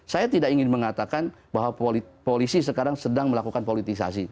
saya tidak ingin mengatakan bahwa polisi sekarang sedang melakukan politisasi